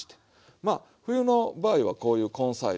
まあ冬の場合はこういう根菜類。